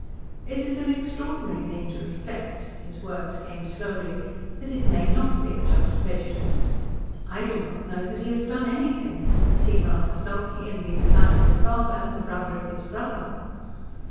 "It is an extraordinary thing to reflect," his words came slowly "that it may NOT be a just prejudice. I do not know that he has done anything but seem rather sulky, and be the son of his father, and the brother of his brother."